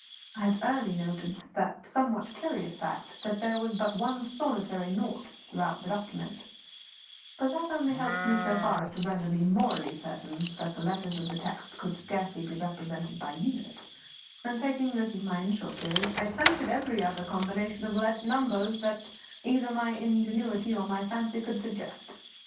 I had early noted the somewhat curious fact that there was but one solitary nought throughout the document; but that only helped me so far as to render me morally certain that the letters of the text could scarcely be represented by units; and, taking this as my initial theory, I attempted every other combination of numbers that either my ingenuity or my fancy could suggest.